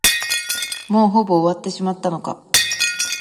もうほぼ終わってしまったのか。